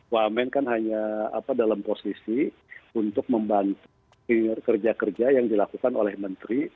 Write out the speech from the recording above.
wamen kan hanya dalam posisi untuk membantu kerja kerja yang dilakukan oleh menteri